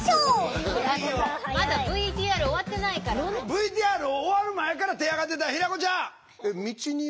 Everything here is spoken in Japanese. ＶＴＲ終わる前から手上がってた平子ちゃん！